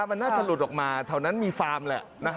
อันต่อไปถึงปั๊บอุตส่ายแล้ว